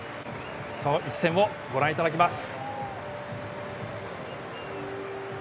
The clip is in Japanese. その一戦をご覧いただきます。